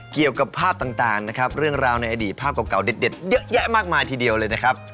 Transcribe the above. เกี่ยวกับภาพต่างนะครับเรื่องราวในอดีตภาพเก่าเด็ดเยอะแยะมากมายทีเดียวเลยนะครับ